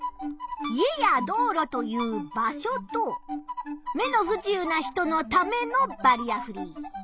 家や道路という場所と目の不自由な人のためのバリアフリー。